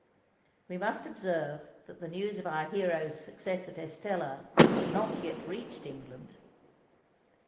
We must observe that the news of our hero's success at Estella had not yet reached England.